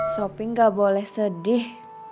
shopee gak boleh sedih